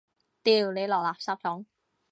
掉你落垃圾桶！